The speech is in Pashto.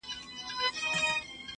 له هغې څخه د خپل هوس لوبته جوړه کړه